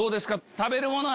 食べるものは。